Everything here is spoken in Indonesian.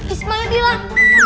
ismail dia lah